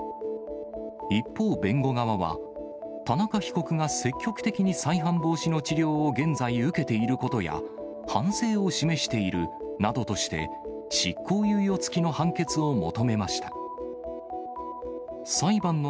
一方、弁護側は、田中被告が積極的に再犯防止の治療を現在、受けていることや、反省を示しているなどとして、執行猶予付きの判決を求めました。